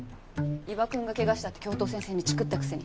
伊庭くんが怪我したって教頭先生にチクったくせに。